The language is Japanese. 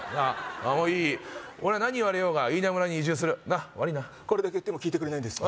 もういい俺は何言われようがイイダ村に移住するなっ悪いなこれだけ言っても聞いてくれないんですね